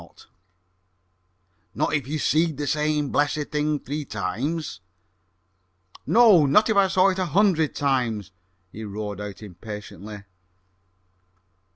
"Not if you seed the same blessed thing three times?" "No; not if I saw it a hundred times!" he roared out impatiently.